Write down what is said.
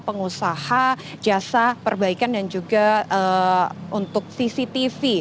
pengusaha jasa perbaikan dan juga untuk cctv